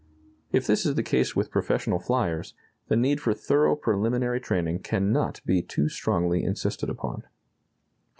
If this is the case with professional flyers, the need for thorough preliminary training cannot be too strongly insisted upon.